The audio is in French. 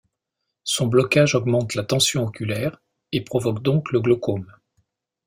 Son blocage augmente la tension oculaire, et provoque donc le glaucome.